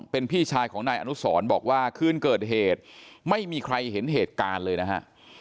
เป็นพี่ชายของนายอนุสรบอกว่าคืนเกิดเหตุไม่มีใครเห็นเหตุการณ์เลยนะฮะ